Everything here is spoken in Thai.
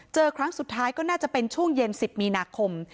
ครั้งสุดท้ายก็น่าจะเป็นช่วงเย็น๑๐มีนาคม